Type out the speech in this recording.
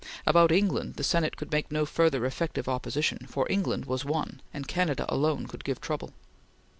About England the Senate could make no further effective opposition, for England was won, and Canada alone could give trouble.